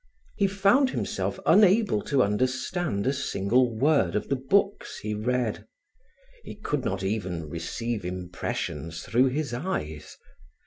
He found himself unable to understand a single word of the books he read. He could not even receive impressions through his eyes.